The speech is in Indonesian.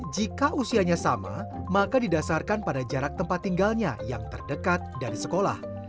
jika usianya sama maka didasarkan pada jarak tempat tinggalnya yang terdekat dari sekolah